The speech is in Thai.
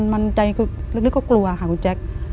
มันใจลึกก็กลัวค่ะคุณแจ๊ค